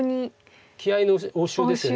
気合いの応酬ですよね。